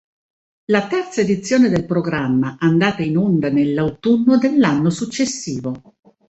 La terza edizione del programma, andata in onda nell'autunno dell'anno successivo.